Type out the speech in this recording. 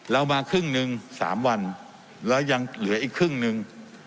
เรามาครึ่งหนึ่ง๓วันแล้วยังเหลืออีกครึ่งหนึ่ง